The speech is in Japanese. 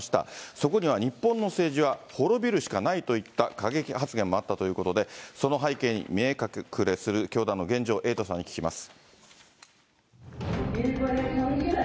そこには日本の政治は滅びるしかないといった過激発言もあったということで、その背景に見え隠れする教団の現状、エイトさんに聞きます。